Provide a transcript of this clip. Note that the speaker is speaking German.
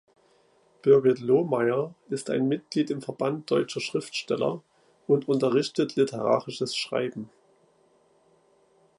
Birgit Lohmeyer ist ein Mitglied im Verband deutscher Schriftsteller und unterrichtet literarisches Schreiben.